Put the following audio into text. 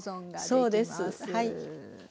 そうですはい。